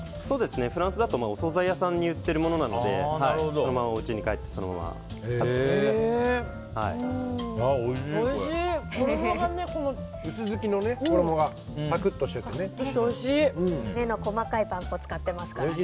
フランスだとお総菜屋さんに売ってるものなのでおうちに帰ってそのまま食べたりしますね。